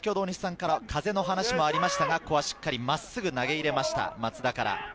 先ほど大西さんから風の話もありましたが、ここはしっかり真っすぐ投げ入れました。